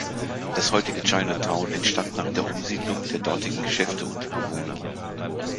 Das heutige Chinatown entstand nach der Umsiedlung der dortigen Geschäfte und Bewohner.